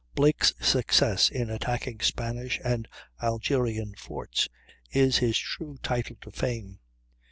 Blake's success in attacking Spanish and Algerian forts is his true title to fame.